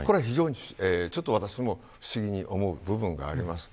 これは私も不思議に思う部分があります。